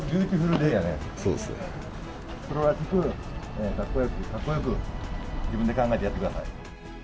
プロらしく、かっこよく、かっこよく、自分で考えてやってください。